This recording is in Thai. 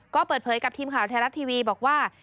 ก็เปิดเผยกับทีมข่าวไทยรัฐทีวีบอกว่า